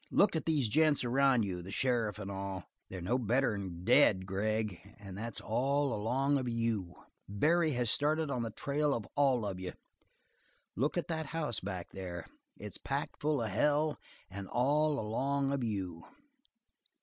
Look at these gents around you, the sheriff and all they're no better'n dead, Gregg, and that's all along of you. Barry has started on the trail of all of you. Look at that house back there. It's packed full of hell, and all along of you.